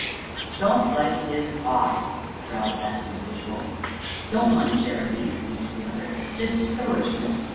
"Don't like 'is eye!" growled that individual. "Don't mind Jeremy," winked the other; "it's just 'is per werseness.